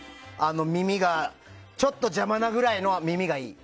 耳がちょっと邪魔なぐらいの耳がいい。